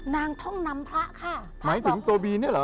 นางท่องนำพระค่ะหมายถึงโตบีนี่เหรอ